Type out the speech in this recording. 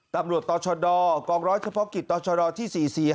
ตำรวจตชดกรศพกิจตชดที่๔๔๕